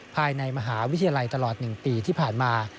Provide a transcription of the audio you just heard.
ภายในมหาวิทยาลัยตลอด๑ปีที่ผ่านมา